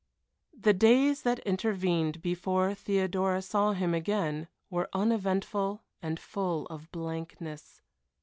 The days that intervened before Theodora saw him again were uneventful and full of blankness.